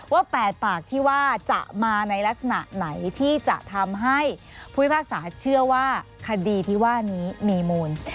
๘ปากที่ว่าจะมาในลักษณะไหนที่จะทำให้ผู้พิพากษาเชื่อว่าคดีที่ว่านี้มีมูล